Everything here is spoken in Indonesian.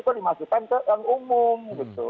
kok dimasukin ke yang umum